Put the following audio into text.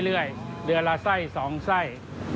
เรื่อยเดือลาไส้สองไส้